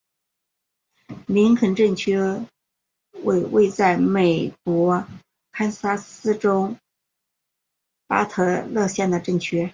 林肯镇区为位在美国堪萨斯州巴特勒县的镇区。